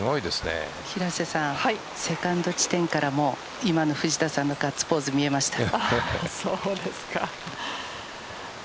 平瀬さん、セカンド地点からも今の藤田さんのガッツポーズ見えました。